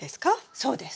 そうです。